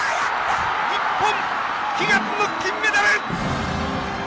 日本、悲願の金メダル！